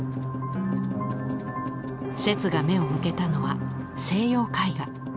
摂が目を向けたのは西洋絵画。